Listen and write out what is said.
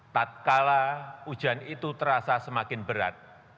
tak kala ujian itu terasa semakin berat